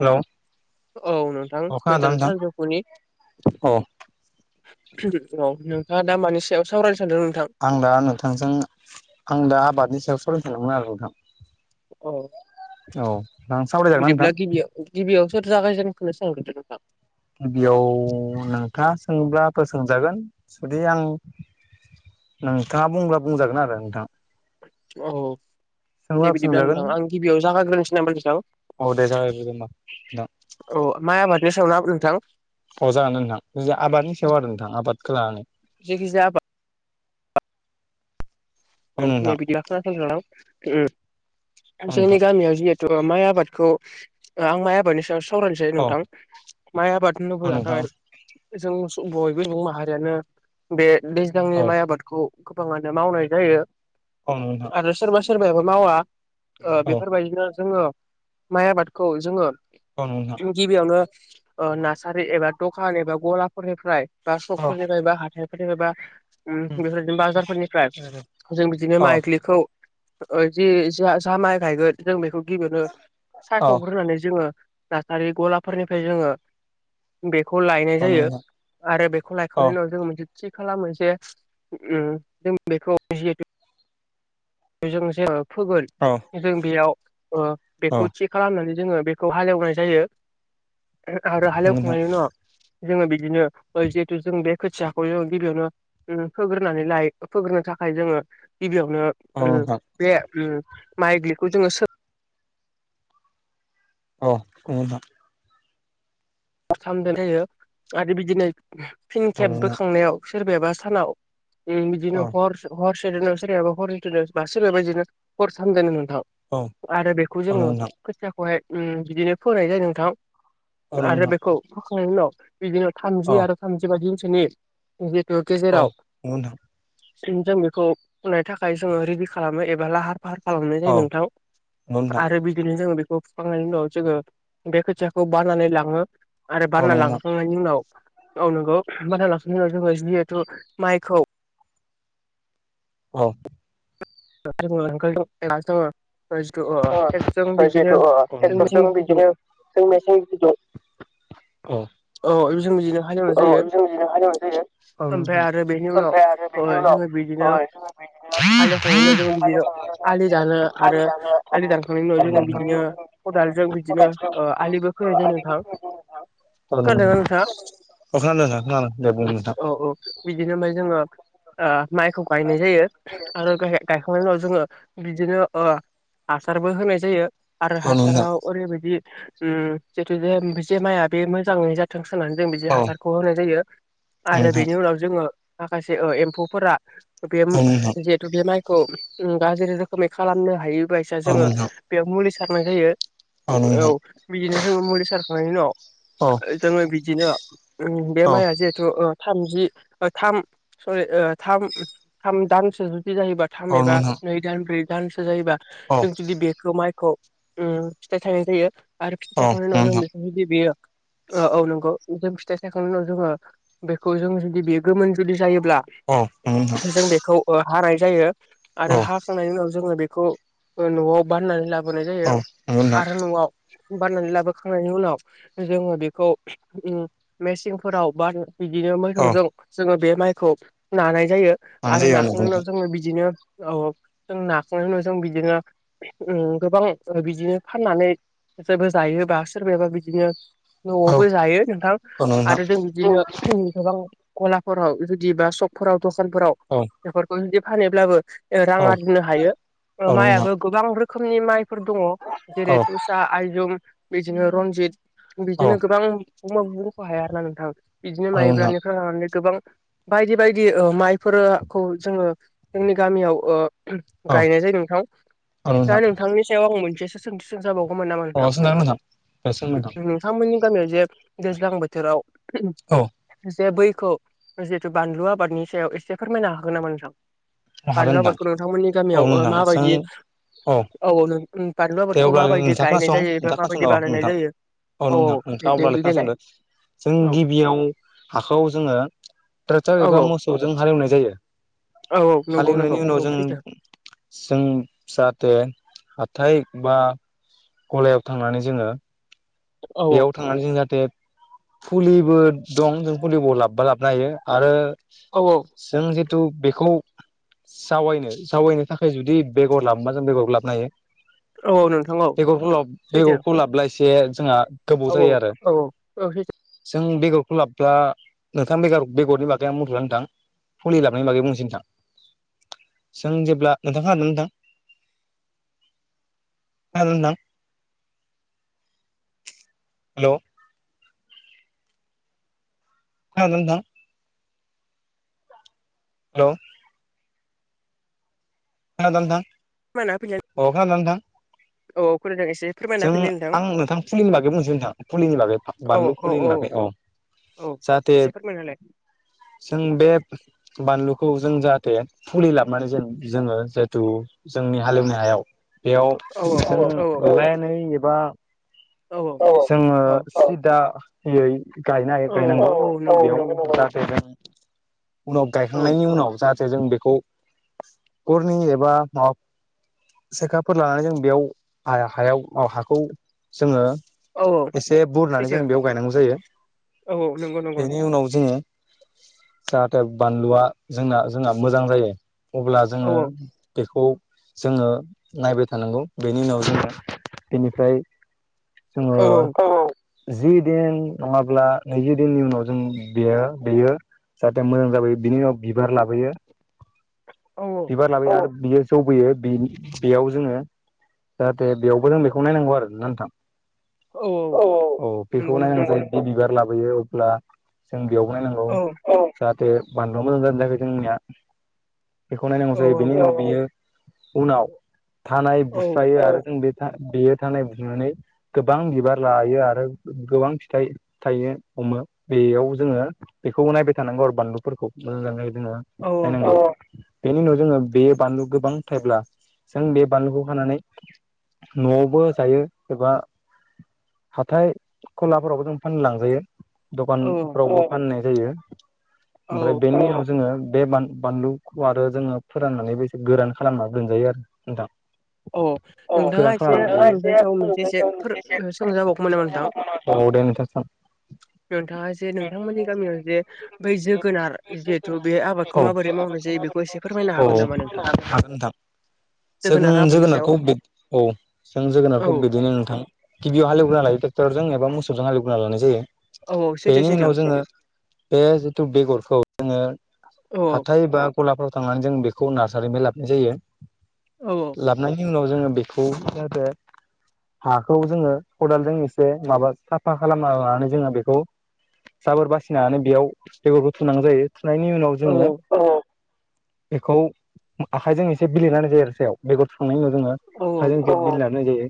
Hello औ नोंथां अ खोनादोंना गोजोन नोंथां? सानजौफुनि औ औ नोंथाङा दा मानि सायाव सावरायनो सानदों नोंथां? आं दा नोंथांजों आं दा आबादनि सायाव सोलोंथदों मोनमोन आरो नोंथां औ औ आन सावराय जागोनना बिदिब्ला नोंथां? गिबियाव गिबियाव सोर जागायजेनखोनो सोहोग्रोदो नोंथां गिबियाव नोंथाङा सोंब्लाबो सोंजागोन जुदि आं नोंथाङा बुंब्ला बुंजागोन आरो नोंथां औ औ दे सोंब्लाबो बिदिब्ला सोंजागोन नोंथां आं गिबियाव जागाग्रोनोसो नामा नोंथां? औ दे जागायग्रोदो होमबा नोंथां अ माइ आबादनि सायावना नोंथां अ जागानो नोंथां आबादनि सायाव आरो नोंथां आबादखौ लानानै जायखिजाया आबाद औ नै नोंथां बिदि खोना संदो नोंथां उम जोंनि गामियाव जि माइ आबादखौ आं माइ आबादनि सायाव सावरायनोसै औ नोंथां माइ आबाद बोला नोंथां थाखाय जों बयबो सुबुं माहारियानो बे औ दैज्लांनि माइ आबादखौ गोबाङानो मावनाय जायो औ नोंथां आरो सोरबा सोरबायाबो मावा ओ औ बेफोरबायदिनो जोङो माइ आबादखौ जोङो औ नोंथां गिबियावनो ओ नार्सारि एबा दखान एबा गलाफोरनिफ्राय बा औ सकफोरनिफ्राय बा हाथाय निफ्रायबा औ नोंथां औ उम बेफोरदिनो बाजारफोरनिफ्राय अ जों बिदिनो औ माइग्लिखौ जि जा जा माइ गायगोन जों बेखौ गिबियावनो सायख'ग्रोनानै जोङो नार्सारि गलाफोरनिफ्राय जोङो बेखौ लायनाय औ जायो नोंथां आरो बेखौ औ लायखांनायनि उनाव जोङो मोनसे थि खालामो जे उम जों बेखौ जिहेथु बेजों जोङो फोगोन औ जों बेयाव ओ औ बेखौ थि खालामनानै जोङो बेखौ हालेवनाय जायो आरो हाल नोंथां हेवखांनाय उनाव जोङो बिदिनो जिहेतु जों बे खोथियाखौ जे गिबियावनो ओम फोग्रोनानै लायो फोग्रोनो थाखाय जोङो गिबियावनो औ ओम नोंथां बे ओम माइग्लिखौ जोङो सो अ ओम नोंथां खालामनाय जायो आरो बिदिनो फिन केेब नोंथां बोखांनायाव सोरबायाबा सानाव ओम बिदिनो हर हरसे दोनो सोरनियाबा हरनै दोनो बा सोरबायाबा हरथाम दोनो नोंथां। औ आरो बेखौ जोङो नंगौ खोथियाखौहाय ओम बिदिनो फोनाय जायो नोंथां। आरो नोंथां बेखौ फोखांनायनि उनाव बिदिनो औ थामजि आरो थामजि बा दिनसोनि बे औ गेजेराव नंगौ नोंथां जों बेखौ फुनाय थाखाय जोङो रेडि खालामो एबा लाहार फाहार खालामनाय औ जायो नोंथां नंगौ नोंथां औ आरो बि बिदिनो जोङो बेखौ फुखांनायनि उनाव जोङो बे खोथियाखौ बारनानै लाङो आरो औ नंगौ नोंथां औ बानना नंगौ नोंथां औ नंगौ नोंथां लांखांनाय- नि उनाव औ नोंगौ बानना लाखिनायनि उनाव जोङो जिहेथु माइखौ अ [unintelligible] [unintelligible] अ ओनसोल बिदिनो [unintelligible] फालिनाय जायो ओमफ्राय आरो बेनि उनाव ओ जोङो बिदिनो हालि हालि एवखांनाय उनाव जोङो बिदिनो आलि दानो आरो आलि दानखांनायनि औ उनाव जोङो नंगौ बिदिनो नोंथां खदालजों औ बिदिनो ओ आलिबो खोनाय जायो नोंथां खोनादोंना नोंथाङा? अ खोनादो नोंथां दे बुं नोंथां। औ औ बिदिनो ओमफाय जोङो ओ माइखौ गायनाय जायो आरो गाय- गायखांनायनि उनाव जोङो बिदिनो ओ हासारबो होनाय जायो आरो औ नंगौ नोंथां हासाराव ओरैबायदि ओम जितु जे ओमफायसो [unintelligible] माइआ बे मोजाङैनो थों साननानै जों बिदि औ हासारखौ होनाय जायो आरो नोंथां बेनि उनाव जोङो माखासे ओ एम्फौफोरा बेम औ नोंथां जेब त' बे माइखौ गाज्रि रोखोमै खालामनो हायो बयसा औ नोंथां औ जोङो नोंथां बेयाव मुलि सारनाय जायो औ बिदिनो जों मुलि सारखांनायनि उनाव औ जोङो बिदिनो बे औ माइआ जिहेथु ओ थामजि बा थाम सरि ओ थाम थाम दानसो जुदि जाहैयोबा थाम औ एबा नोंथां नै दान ब्रै दानसे जायोबा औ जों जुदि बेखो माइखौ ओम फिथाइ थाइनाय जायो आरो फिथाइ औ थाइखांनायनि उाव जों नंगौ नोंथां औ नंगौ नोंथां बेखौ जुदि बेयो औ औ नंगौ जों फिथाइ सायखांनायनि उनाव जोङो बेखौ जों जुदि बे गोमोन जुदि जायोब्ला औ जों बेखौ हानाय जायो औ आरो हा हाखांनायनि उनाव जोङो बेखौ ओन न'वाव बाननानै लाबोनाय जायो नंगौ नोंथां आरो न'वाव बाननानै लाबोखांनायनि उनाव जोङो बेखौ ओम मेचिं फोराव बा- बिदिनो औ मोसौजों जोङो बे माइखौ नानाय जायो। लानाय आरो जायो नाखांनायनि उनाव जोङो बिदिनो औ जों नाखांनायनि उनाव जों बिदिनो ओम गोबां बिदिनो फाननानै जोंबो जायो सोरबाया जाय बिदिनो न'वावबो आरो जायो नोंथां नोंथां आरो जों बिदिनो गोबां गलाफोराव जुदि बा सक फोराव दखानफोराव औ बेफोरखौ जुदि फानहब्लाबो रां औ नंगौ आरजिनो हायो नोंथां माइयाबो गोबां रोखोमनि माइफोर दङ औ जेरै तुसा आइजुम बिदिनो रनजित औ बिदिनो गोबां बुंबाबो बुंख हाया आरोना नोंथां बिदिनो औ नंगौ नोंथां माइब्रानिफ्राय लानानै गोबां बायदि बायदि ओ माइफोरखौ जोङो जोंनि गामियाव ओ औ गायनाय जायो नोंथां औ नंगौ नोंथां दा नोंथांनि सायाव आं मोनसेसो सोंथि सोंजा बावगौमोन नामा? अ नोंथां सोंजागोन नोंथां दे सों नोंथां नोंथांमोननि गामियाव जे दैज्लां बोथोराव औ जे बैखौ जेतु बानलु आबादनि सायाव एसे फोरमायनो हागोन नामा नोंथां? बानलु हागोन नोंथां आबादखौ नोंथांमोननि औ गामियाव ओ नोंथां सों माबायदि औ औ नों बानलु दे आबादखौ अब्लालाय माबायदि नोंथाङा गायनाय खोनासं जायो एबा नोंथाङा खोनासंद' माबायदि बानायनाय नोंथां जायो? औ औ नोंथां नोंथाङा अब्लालाय बेदि लेलाय खोनासंदो [unintelligible] जों गिबियाव हाखौ जोङो औ ट्रेक्टार एबा मोसौजों हाल एवनाय जायो। औ औ हाल नंगौ एवनायनि नंगौ उनाव औ जों सैथो जों जाहाथे हाथाइ बा गलायाव थांनानै जोङो औ बेयाव थांनानै जों जाहाथे फुलिबो दं जों फुलिबो लाबबा लाब नायो आरो औ औ। जों जितु बेखौ जावैनो जावैनो थाखाय जुदि बेगर लाबोबा जों बेगर लाबनो हायो। औ औ नोंथां औ बेगरखौ लब सैथो बेगरखौ लाब्ला एसे जोंहा गोबौ औ जायो आरो। औ औ सैथो जों बेगरखौ लाबब्ला नोंथां बेगर बेगरनि बागै आं बुथ'ला नोंथां। फुलि लाबोनायनि बागै बुंनोसै नोंथां। जों जेब्ला नोंथां खोनादोंना नोंथां? [unintelligible] नोंथां? हेलौ? खोनादोंना नोंथा? हेलौ? खोनादोना नोंथां? फोरमायना होफिनलाय अह खोनादोना नोंथां? औ औ खोनादों एसे फोरमायना जों होफिनलाय आं नोंथां फुलिनि बागै बुंनोसै नोंथां फुलिनि बागै नोंथां। बानलु फुलि बागै औ। औ जाहाथे एसे फोरमायना होलाय। जों बे बानलुखौ जों जाहाथे फुलि लाबोनानै जों जोङो जिहेथु जोंनि हालेवनाय हायाव बेयाव औ औ औ [unintelligible] अलायन एबा औ जोङो औ सिदायै गायनो हायो गायनांगौ औ औ नंगौ नंगौ नोंथां बेयाव [unintelligible] उनाव औ गायखांनायनि उनाव जाहाथे जों बेखौ हरनैनि एबा माबा सेखाफोर लानानै जों बेयाव हा-हायाव हाखौ जोङो औ औ एसे बुरनानै जों सैथो बेयाव गायनांगौ जायो। औ नंगौ नंगौ बेनि उनाव जोङो जाहाथे बानलुआ जोंना जोंना मोजां जायो। अब्ला औ जोङो बेखौ जोङो नायबाय थानांगौ। बेनि उनाव जोङो बेनिफ्राय औ जोङो जि दिन नङाब्ला नैजि दिननि उनाव जों बेयो बेयो जाहाथे मोजां जाबोयो। बिनि उनाव बिबार लाबोयो। औ। बिबार लाबो बियो जौबोयो। बेनि बेयाव जोङो जाहाथे बेयावबो जों बेखौ नायनांगौ आरोा नोंथां। औ औ औ। बेखौ नंगौ नंगौ नायनांगौ जायो। बिदि बिबार लाबोयो अब्ला जों बेयाव नायनांगौ। औ जाहाथे बानलुवा मोजां जादोंना जायाखै जोंनिया खौ नायनांगौ औ जायो बेनि औ उनाव बियो उनाव थानाय औ बुस्रायो आरो जों बे बेयो थानाय बुजिनानै गोबां बिबार लायो आरो गोबां फिथाइ थायो हमो। बेयाव जोङो बेखौबो नायबाय थानांगौ आरो बानलुफोरखौ मोजां जादोंना जायाखै जोङो नायनांगौ। बेनि उनाव जोङो बे बानलु गोबां थाइब्ला, जों बे बानलुखौ खानानै न'आवबो जायो एबा हाथाय खलाफोरावबो जों फाननो लांजायो। औ दखानफ्रावबो फाननाय जायो। औ ओमफ्राय बेनि उनाव जोङो बे बानलु आरो जोङो फोराननानैबो एसे गोरान खालामना दोनजायो आरो नोंथां। अ नोंथाङा एसे आं नोंथांनि सायाव मोनसे एसे सोंजा बावगौमोन नामा नोंथां? औ दे नोंथां सों। नोंथाङा जे नोंथांमोननि गामियाव जे बै जोगोनार जिहेथु बे आबादखौ औ। माबोरै मावनाय जायो बेखौ एसे फोरमायनो औ नामा नोंथां हागोन नोंथां। जोगोनार जों आबादनि सायाव जोगोनारखौ औ जों औ जोगोनारखौ बिदिनो नोंथां। गिबियाव हालेवोनना लायो ट्रेक्टरजों एबा मोसौजों हालेवना लानाय जायो। औ सैथो बेनि सैथो उनाव जोङो बे जिथु बेगरखौ जोङो औ हाथाय बा गलाफ्राव थांनानै जों बेखौ नार्सारिनिफाय लाबाय जायो औ औ लाबोनायनि उनाव जोङो बेखौ जाहाथे हाखौ जोङो खदालजों एसे माबा साफा खालामना लानानै जोङो बेखौ जाबोर बासिनानै बेयाव बेगरखौ थुनांगौ जायो थुनायनि उनाव औ जोङो बेखौ आखाइजों एसे बिलिरनानै होनाय जायो आरो सायाव बेगर होखांनायनि उनाव औ आखाइजों बेखौ [unintelligible] होनाय जायो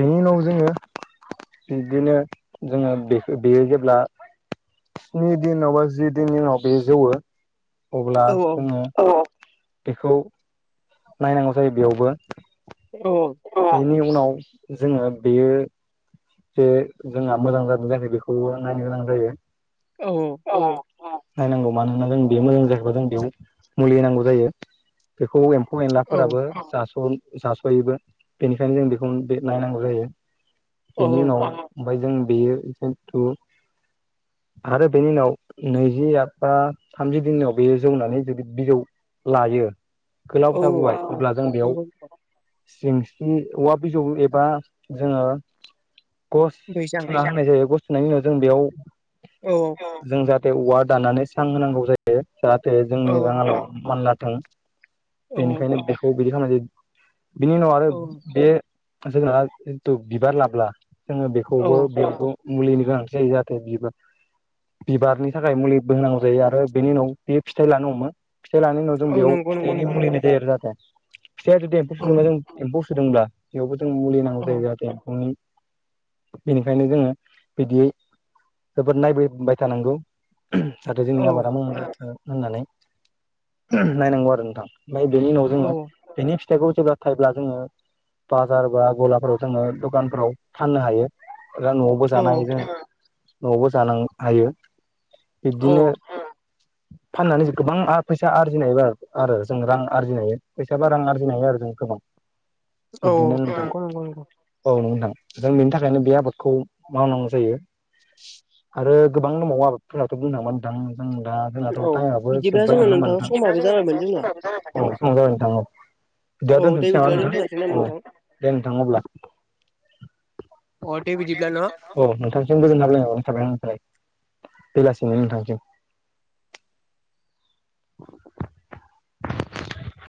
बेनि उनाव जोङो बिदिनो जोङो बे बेयो जेब्ला स्नि दिनाव बा जि दिननि उनाव बेयो जौवो अब्ला औ जोङो बेखौ नायनांगौ जायो बेयावबो औ औ बिनि उनाव जोङो बेयो जे जोंहा मोजां जादों ना जायाखै बेखौबो नायनो गोनां जायो औ नायनांगौ मानो होनना जों बेयावनो मोजां जा एबा जों बेयाव मुलि नांगौ जायो बेखौ एम्फौ एनलाफोराबो औ जास' जास'योबो बेनिखायनो जों बेखौ बे नायनांगौ जायो बेनि उनाव ओमफ्राय जों बेयो जिथु आरो बेनि उनाव नैजि एबा बा थामजि दिनाव बेयो जौनानै जुदि बिजौ लायो गोलाव औ जाबोबाय अब्ला जों बेयाव औ सिंसिनि औवा बिजौ एबा जोङो गस बैसां थुना होनाय जायो गसथुनायनि उनाव जों बेयाव औ औ जों जाहाथे औवा दानानै सां होनांगौ जायो जाहाथे औ जोंनि राङालाव मानलाथों औ बेनिखायनो बेखौ बिदि खालामनाय जायो बिनि उनाव आरो औ बे जोंहा जिथु बिबार लाब्ला जोङो बेखौबो औ बेखौ मुलिनि गोनांथि जायो जाहाथे बिबार बिबारनि थाखाय मुलिबो होनांगौ जायो आरो बेनि उनाव बे फिथाइ लानो हमो फिथाइ लानायनि उनाव जों औ बेयाव नंगौ नंगौ फिथाइनि नंगौ मुलि होनाय जायो आरो जाहाथे फिथाइया जुदि [unintelligible] औ जों एम्फौ सोदोंब्ला बेयावबो जों मुलि नांगौ औ जायो जाहाथे एम्फौनि बेनिखायनो जोङो बिदियै जोबोद नायबोबाय थानांगौ जाहाथे औ जोंनि आबादा माव जाथों होननानै नायनांगौ आरो नोंथां ओमफाय बेनि उनाव औ जोङो बेनि फिथाइखौ जेब्ला थायोब्ला जोङो बाजार बा गलाफोराव जोङो दखानफोराव फाननो हायो [unintelligible] न'आवबो जानो हायो जों न'आवबो जानो हायो औ बिब्दिनो फाननानै जों गोबांआ फैसा आरजिनो एबा आरो जों रां आरजिनो हायो फैसाबा रां आरजिनो हायो आरो जों गोबां औ बिदिनो [unintelligible] नंगौ नंगौ नंगौ औ नोंगौ नोंथां जों बेनि थाखायनो बे आबादखौ मावनांगौ जायो [inaudible] आरो गोबां दंबावो आबादफोरनाथ' बुंनो थांबा नोंथां जों दा औ टाइमआबो बिदिब्ला जोबबाय जोंना नङा होमबा नोंथां समाबो जाबायमोन जोंना औ समा जाबाय नोंथां औ दा औ दे दोनथनसै बिदिब्ला नामा दोनथ'जासिगोन नोंथां नामा औ दे नोंथां अब्ला अ दे बिदिब्ला न अ नोंथांसिम गोजोन हामलाय हरनाय थाबाय आंनिफ्राय बेलासिनि नोंथांसिम [inaudible]